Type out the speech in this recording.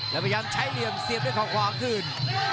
แล้วพยายามใช้เหลี่ยมเสียบด้วยเขาขวาคืน